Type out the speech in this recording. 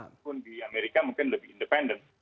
walaupun di amerika mungkin lebih independen